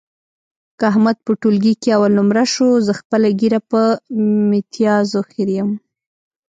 که احمد په ټولګي کې اول نمره شو، زه خپله ږیره په میتیازو خرېیم.